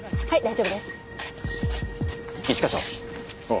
はい。